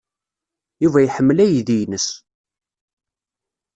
Yuba iḥemmel aydi-nnes.